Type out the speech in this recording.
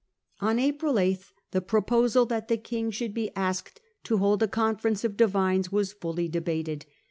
On April 8 the proposal that the King should be asked to hold a conference of divines was fully debated.